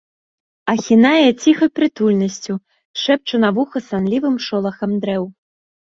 Ахінае ціхай прытульнасцю, шэпча на вуха санлівым шолахам дрэў.